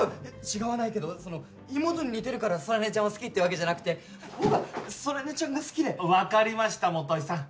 違わないけどその妹に似てるから空音ちゃんを好きってわけじゃなくて僕は空音ちゃんが好きで分かりました基さん